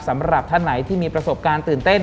สำหรับท่านไหนที่มีประสบการณ์ตื่นเต้น